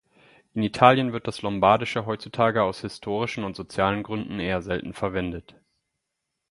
In Italien wird das Lombardische heutzutage aus historischen und sozialen Gründen eher selten verwendet.